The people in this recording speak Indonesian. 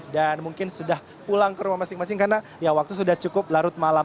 dan mungkin sudah pulang ke rumah masing masing karena ya waktu sudah cukup larut malam